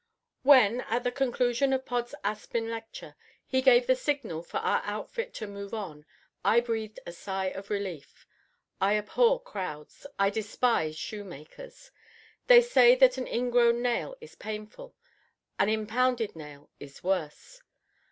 _ When, at the conclusion of Pod's Aspen lecture, he gave the signal for our outfit to "move on," I breathed a sigh of relief. I abhor crowds; I despise shoemakers. They say that an ingrown nail is painful; an inpounded nail is worse.